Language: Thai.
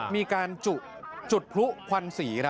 มีการจุดพลุควันสี